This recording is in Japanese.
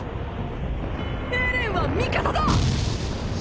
エレンは味方だ！！